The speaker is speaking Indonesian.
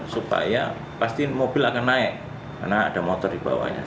supaya pasti mobil akan naik karena ada motor di bawahnya